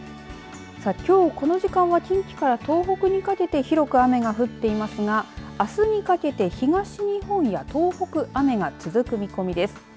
きょう、この時間は近畿から東北にかけて広く雨が降っていますがあすにかけて東日本や東北雨が続く見込みです。